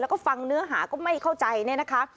แล้วก็ฟังเนื้อหาก็ไม่เข้าใจเนี่ยนะคะ